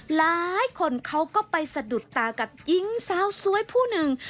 หลายคนเขาก็ไปสะดุดตากับหญิงสาวสวยผู้หนึ่ง